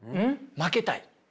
負けたい？